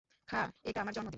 খা, এটা আমার জন্মদিন।